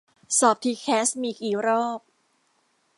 สอบทีแคสมีกี่รอบ